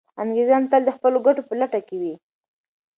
انګریزان تل د خپلو ګټو په لټه کي وي.